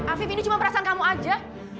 afif ini cuma perasaan kamu aja